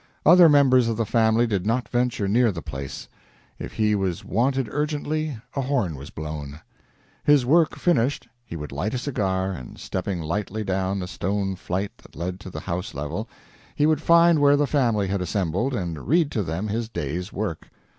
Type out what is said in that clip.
Other members of the family did not venture near the place; if he was wanted urgently, a horn was blown. His work finished, he would light a cigar and, stepping lightly down the stone flight that led to the house level, he would find where the family had assembled and read to them his day's work.